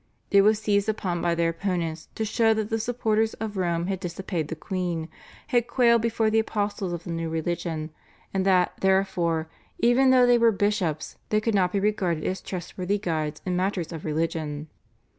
It was seized upon by their opponents to show that the supporters of Rome had disobeyed the queen, had quailed before the apostles of the new religion, and that, therefore, even though they were bishops, they could not be regarded as trustworthy guides in matters of religion.